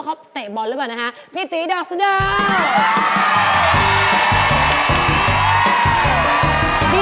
โอ๊ยถกขึ้นมานี่